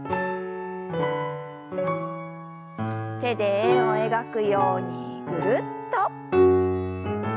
手で円を描くようにぐるっと。